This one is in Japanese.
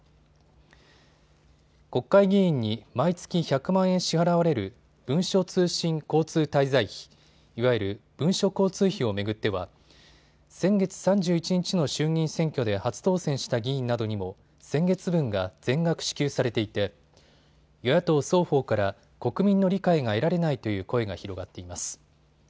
国会議員に毎月１００万円支払われる文書通信交通滞在費、いわゆる文書交通費を巡っては先月３１日の衆議院選挙で初当選した議員などにも先月分が全額支給されていて与野党双方から国民の理解が得られないという声が広がっています。